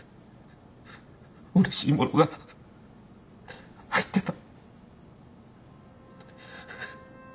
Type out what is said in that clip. うれしいものが入ってた。